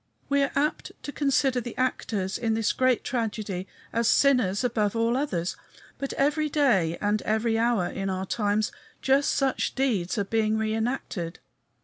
We are apt to consider the actors in this great tragedy as sinners above all others. But every day and every hour in our times just such deeds are being reënacted.